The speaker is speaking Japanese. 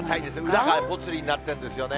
裏がぽつリンになってるんですよね。